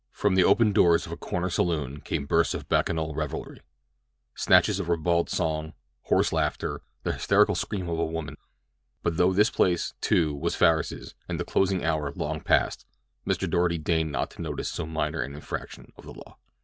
From the open doors of a corner saloon came bursts of bacchanal revelry—snatches of ribald song; hoarse laughter; the hysterical scream of a woman; but though this place, too, was Farris's and the closing hour long passed Mr. Doarty deigned not to notice so minor an infraction of the law.